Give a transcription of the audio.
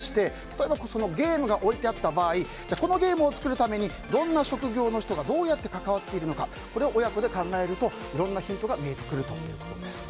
藤田先生によりますと働く意味を考える際には例えば、部屋の中を見回してゲームが置いてあった場合このゲームを作るためにどんな職業の人がどうやって関わっているのかこれを親子で考えるといろんなヒントが見えてくるということです。